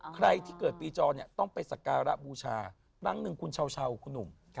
ใครที่เกิดปีจอเนี่ยต้องไปสักการะบูชาครั้งหนึ่งคุณเช้าคุณหนุ่ม